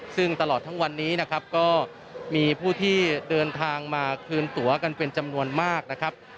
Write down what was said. ซึ่งตลอดทั้งวันนี้นะครับก็มีผู้ที่เดินทางมาคืนตัวกันเป็นจำนวนมากนะครับ